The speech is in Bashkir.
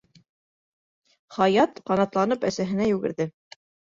Хаят ҡанатланып әсәһенә йүгерҙе.